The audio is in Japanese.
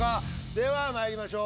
ではまいりましょう。